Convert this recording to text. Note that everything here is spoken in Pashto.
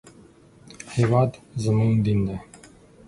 هېواد زموږ دین دی